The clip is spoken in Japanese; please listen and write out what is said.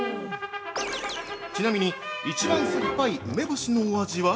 ◆ちなみに、一番すっぱい梅干しのお味は？